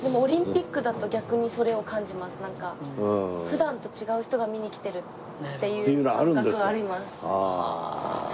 なんか普段と違う人が見に来てるっていう感覚あります。